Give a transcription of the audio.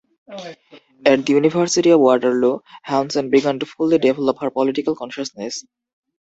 At the University of Waterloo, Hansen began to fully develop her political consciousness.